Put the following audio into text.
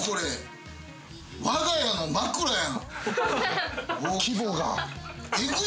我が家の枕やん！